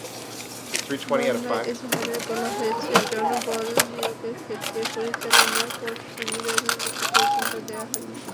মামলার এজাহারে বলা হয়েছে, জনবল নিয়োগের ক্ষেত্রে পরিচালনা পর্ষদের অনুমতি পর্যন্ত নেওয়া হয়নি।